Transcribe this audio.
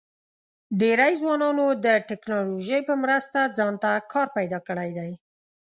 ډېری ځوانانو د ټیکنالوژۍ په مرسته ځان ته کار پیدا کړی دی.